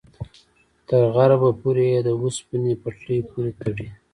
تر غربه پورې یې د اوسپنې پټلۍ پورې تړي.